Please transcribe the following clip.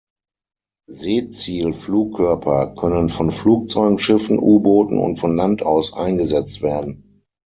Seezielflugkörper können von Flugzeugen, Schiffen, U-Booten und von Land aus eingesetzt werden.